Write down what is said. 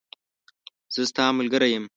زه ستاملګری یم